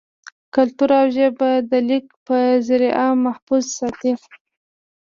کلتور او ژبه دَليک پۀ زريعه محفوظ ساتي